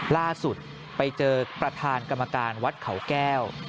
ล่าสุดไปเจอประธานกรรมการวัดเขาแก้ว